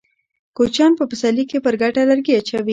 کوچيان په پسرلي کې پر کډه لرګي اچوي.